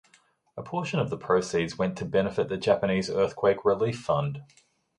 A portion of the proceeds went to benefit the Japanese earthquake relief fund.